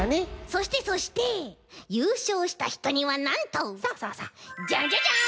そしてそしてゆうしょうしたひとにはなんとジャンジャジャン！